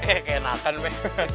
eh keenakan be